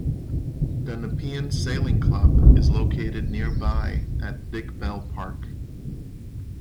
The Nepean Sailing Club is located nearby at Dick Bell Park.